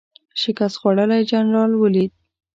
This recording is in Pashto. شکست خوړلی جنرال ولید.